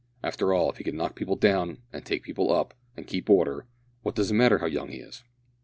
After all, if he can knock people down, and take people up, and keep order, what does it matter how young he is?